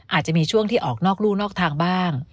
อาจจะมีช่วงที่ออกนอกรู่นอกทางบ้าง